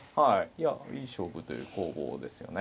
いやいい勝負という攻防ですよね。